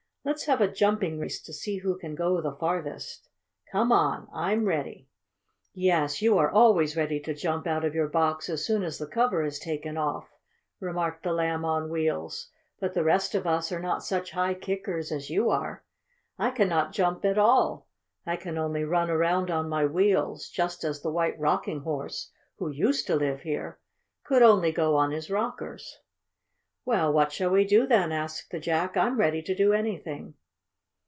"Let's have a jumping race, to see who can go the farthest. Come on! I'm ready!" "Yes, you are always ready to jump out of your box as soon as the cover is taken off," remarked the Lamb on Wheels. "But the rest of us are not such high kickers as you are. I cannot jump at all. I can only run around on my wheels, just as the White Rocking Horse, who used to live here, could only go on his rockers." "Well, what shall we do then?" asked the Jack. "I'm ready to do anything."